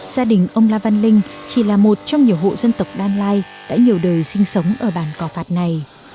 gia đình ông la văn linh chỉ là một trong nhiều hộ dân tộc đan lai đã nhiều đời sinh sống ở bản cò phạt này